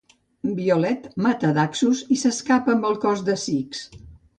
Violet mata Daxus i s'escapa amb el cos de Six.